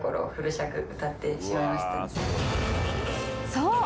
［そう。